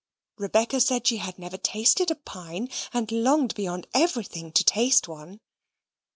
Rebecca said she had never tasted a pine, and longed beyond everything to taste one.